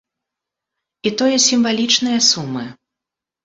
І тое сімвалічныя сумы.